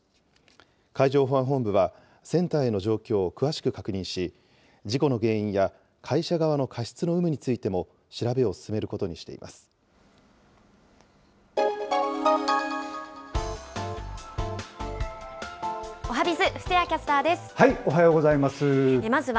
海上保安本部は船体の状況を詳しく確認し、事故の原因や会社側の過失の有無についても、調べを進めることにしています。